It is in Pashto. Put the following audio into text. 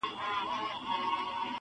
په ما پرېوتې څو څو ځله بلا